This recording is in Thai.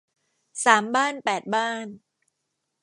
สามบ้านแปดบ้าน